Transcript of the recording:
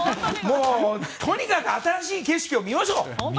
とにかく新しい景色を見ましょう！